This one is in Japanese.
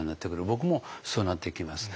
僕もそうなっていきます。